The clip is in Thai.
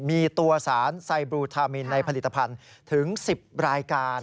มีตัวสารไซบลูทามินในผลิตภัณฑ์ถึง๑๐รายการ